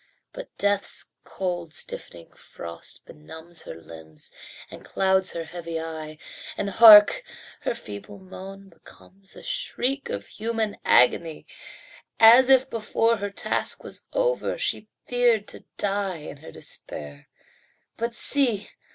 But death's cold, stiffening frost benumbs Her limbs, and clouds her heavy eye And hark! her feeble moan becomes A shriek of human agony. As if before her task was over She feared to die in her despair. But see!